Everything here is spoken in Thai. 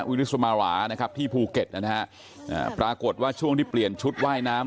วิริสุมารานะครับที่ภูเก็ตนะฮะปรากฏว่าช่วงที่เปลี่ยนชุดว่ายน้ำ